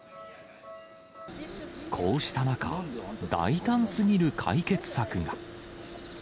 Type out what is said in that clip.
こうした中、大胆すぎる解決策が。